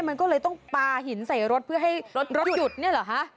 มันก็เลยต้องปลาหินใส่รถเพื่อให้รถรถหยุดเนี่ยเหรอคะ